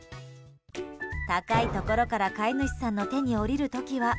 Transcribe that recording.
高いところから飼い主さんの手に下りる時は。